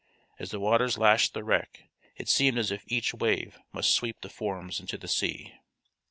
As the waters lashed the wreck it seemed as if each wave must sweep the forms into the sea.